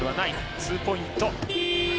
ツーポイント。